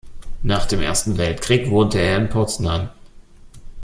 Nach dem Ersten Weltkrieg wohnte er in Poznań.